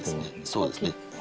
そうですね。